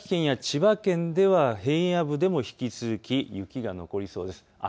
茨城県や千葉県では平野部でも引き続き雪が残りそうです。